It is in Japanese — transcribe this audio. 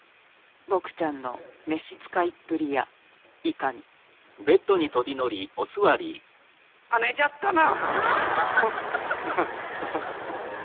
ぼくちゃんの召し使いっぷりやいかに？あ寝ちゃったな！